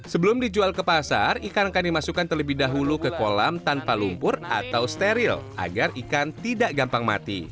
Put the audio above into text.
sebelum dijual ke pasar ikan akan dimasukkan terlebih dahulu ke kolam tanpa lumpur atau steril agar ikan tidak gampang mati